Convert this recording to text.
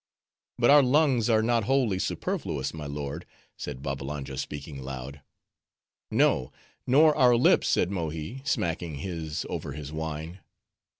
"But our lungs are not wholly superfluous, my lord," said Babbalanja, speaking loud. "No, nor our lips," said Mohi, smacking his over his wine.